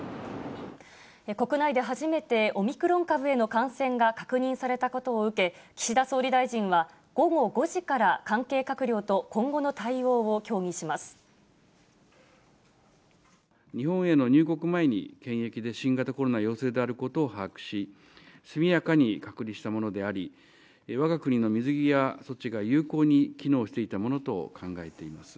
国内で初めてオミクロン株への感染が確認されたことを受け、岸田総理大臣は午後５時から、関係閣僚と今後の対応を協議しま日本への入国前に、検疫で新型コロナ陽性であることを把握し、速やかに隔離したものであり、わが国の水際措置が有効に機能していたものと考えています。